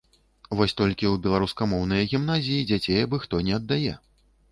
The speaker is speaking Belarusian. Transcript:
Вось толькі ў беларускамоўныя гімназіі дзяцей абы-хто не аддае.